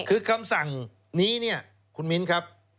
คือคำสั่งนี้เนี่ยคุณมิ้นครับ